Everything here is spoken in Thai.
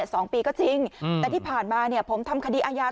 สองปีก็จริงแต่ที่ผ่านมาผมทำคดีอาญา